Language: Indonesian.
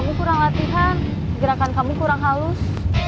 kamu kurang latihan gerakan kamu kurang halus